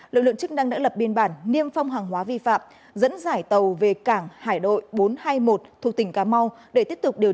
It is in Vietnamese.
lực lượng chức năng đã lập biên bản niêm phong hàng hóa vi phạm dẫn giải tàu về cảng hải đội bốn trăm hai mươi một thuộc tỉnh cà mau để tiếp tục điều